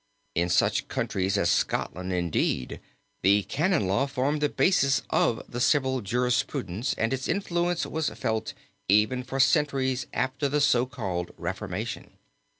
In such countries as Scotland, indeed, the canon law formed the basis of the civil jurisprudence and its influence was felt even for centuries after the so called reformation.